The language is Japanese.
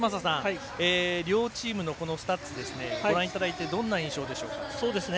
両チームのスタッツご覧いただいてどんな印象ですか。